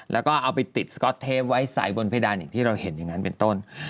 แล้วก็เอาไปติดสก๊อตเทปไว้ใส่บนเพดานอย่างที่เราเห็นอย่างนั้นเป็นต้น